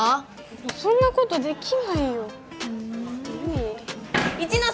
そんなことできないよふん何？